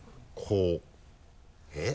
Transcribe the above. えっ？